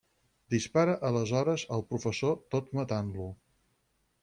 Dispara aleshores al professor, tot matant-lo.